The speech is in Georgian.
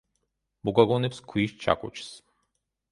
მოგვაგონებს „ქვის ჩაქუჩს“.